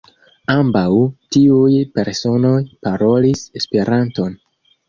Ambaŭ tiuj personoj parolis Esperanton.